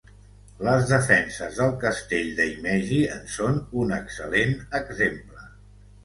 Les defenses del castell de Himeji en són un excel·lent exemple.